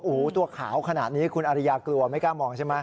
โอ้โหตัวขาวขนาดนี้คุณอริยากลัวไม่กล้ามองใช่ไหม